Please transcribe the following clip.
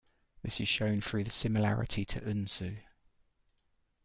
This is shown through the similarity to Unsu.